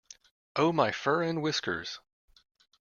Oh my fur and whiskers!